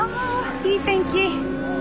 いい天気！